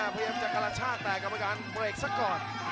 พยายามจะกระลักษณ์ชาติแต่กรรมการเบรกสักก่อน